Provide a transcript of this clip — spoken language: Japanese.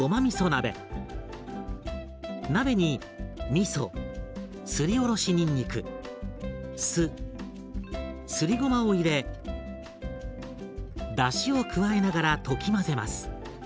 鍋にみそすりおろしにんにく酢すりごまを入れだしを加えながら溶き混ぜます。